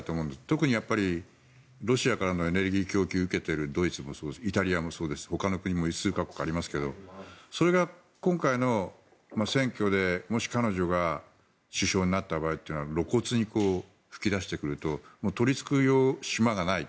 特に、ロシアからのエネルギー供給を受けているドイツもそうですイタリアもそうですほかの国も数か国ありますがそれが今回の選挙でもし、彼女が首相になった場合というのは露骨に噴き出してくるともう取りつく島がない。